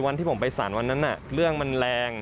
วันที่ผมไปสารวันนั้นเรื่องมันแรง